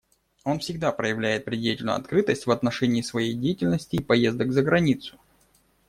Он всегда проявляет предельную открытость в отношении своей деятельности и поездок за границу.